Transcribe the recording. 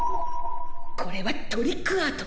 これはトリックアート。